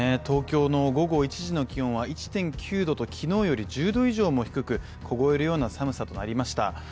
東京の午後１時の気温は１．９度と昨日より１０度以上低く凍えるような寒さとなりました。